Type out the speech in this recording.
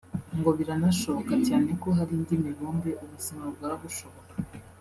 ngo biranashoboka cyane ko hari indi mibumbe ubuzima bwaba bushoboka